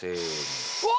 うわ！